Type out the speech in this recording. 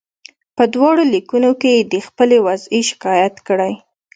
په دواړو لیکونو کې یې د خپلې وضعې شکایت کړی.